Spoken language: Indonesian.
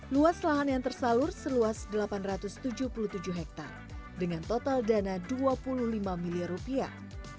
luas lahan yang tersalur seluas delapan ratus tujuh puluh tujuh hektare dengan total dana dua puluh lima miliar rupiah